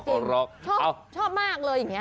ชอบมากเลยอย่างนี้